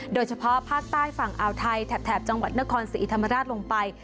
โดยเฉพาะภาคใต้ฝั่งอ่าวไทยแถบจังหวัดนครศรีธรรมราชลงไป